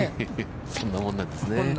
そんなもんなんですね。